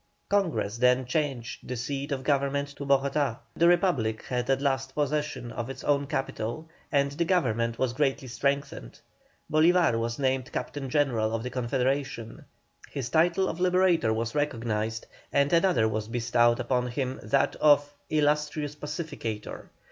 Congress then changed the seat of government to Bogotá; the Republic had at last possession of its own capital, and the Government was greatly strengthened. Bolívar was named Captain General of the Confederation, his title of Liberator was recognised, and another was bestowed upon him, that of "Illustrious Pacificator."